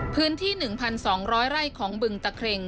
พื้นที่๑๒๐๐ไร่ของบึงตะเครง